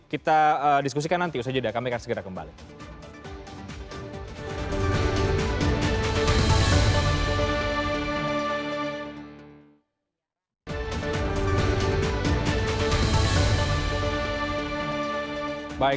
kita diskusikan nanti usaha jeda kami akan segera kembali